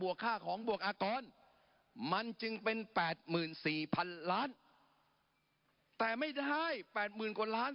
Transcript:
ค่าของบวกอากรมันจึงเป็น๘๔๐๐๐ล้านแต่ไม่ได้๘๐๐๐กว่าล้าน